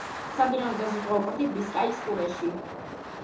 სამდინარო და საზღვაო პორტი ბისკაის ყურეში.